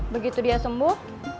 begitu dia sembuh